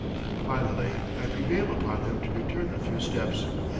Finally I prevailed upon him to return a few steps.